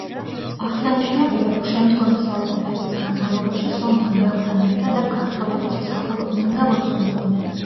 აღსანიშნავია, რომ შემდგომი საუკუნეების განმავლობაში სომეხ მრევლთან ერთად აქ ქართველებიც მსახურობდნენ და ლოცულობდნენ.